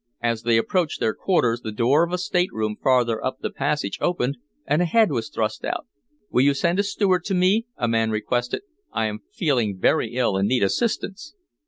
As they approached their quarters the door of a stateroom farther up the passage opened, and a head was thrust out. "Will you send a steward to me?" a man requested. "I am feeling very ill, and need assistance."